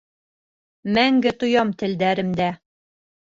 Мәңге тоям телдәремдә.